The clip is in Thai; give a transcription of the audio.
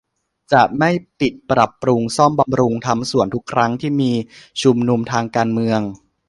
จะไม่ปิดปรับปรุงซ่อมบำรุงทำสวน ทุกครั้งที่จะมีชุมนุมทางการเมือง